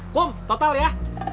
kum total ya